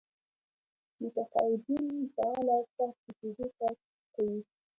متقاعدين فعاله پاتې کېدو کار کوي.